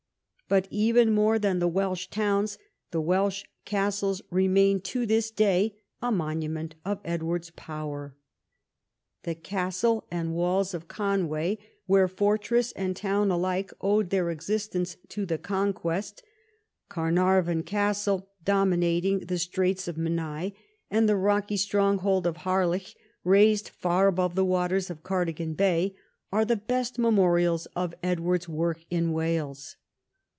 But even more than the Welsh towns, the Welsh castles remain to this day a monument of Edward's power. The castle and walls of Conway, where fortress and town alike owed their existence to the Conquest ; Carnarvon Castle, dominat ing the straits of Menai ; and the rocky stronghold of Harlech, raised far above the waters of Cardigan Bay, are the best memorials of Edward's work in Wales.